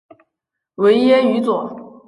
维耶于佐。